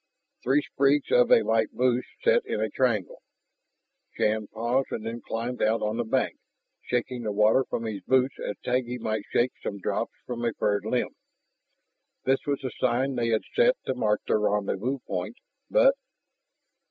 Three sprigs of a light bush set in a triangle. Shann paused and then climbed out on the bank, shaking the water from his boots as Taggi might shake such drops from a furred limb. This was the sign they had set to mark their rendezvous point, but....